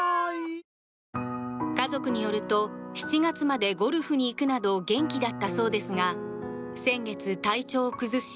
家族によると７月までゴルフに行くなど元気だったそうですが先月、体調を崩し